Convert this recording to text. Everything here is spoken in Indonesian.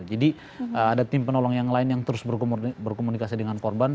jadi ada tim penolong yang lain yang terus berkomunikasi dengan korban